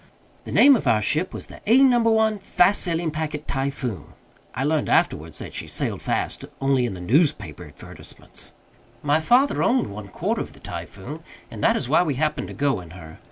The name of our ship was the "A No. 1, fast sailing packet Typhoon." I learned afterwards that she sailed fast only in the newspaper advertisements. My father owned one quarter of the Typhoon, and that is why we happened to go in her.